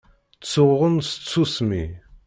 Ttsuɣun s tsusmi.